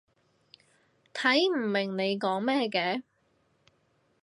睇唔明你講咩嘅